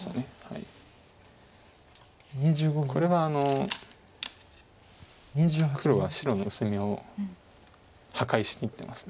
これは黒は白の薄みを破壊しにいってます。